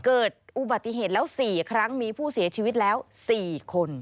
เกิดอุบัติเหตุแล้ว๔ครั้งมีผู้เสียชีวิตแล้ว๔คน